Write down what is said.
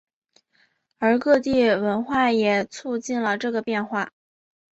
而各地文化也促进了这个变化。